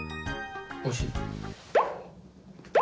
おいしい？